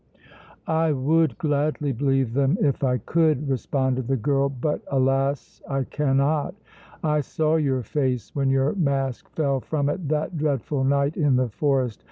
"I would gladly believe them if I could," responded the girl; "but, alas! I cannot! I saw your face when your mask fell from it that dreadful night in the forest!